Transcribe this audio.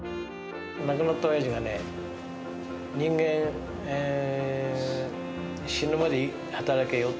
亡くなったおやじがね、人間死ぬまで働けよって。